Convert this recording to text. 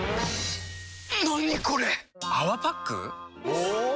お！